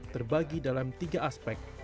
terbagi dalam tiga aspek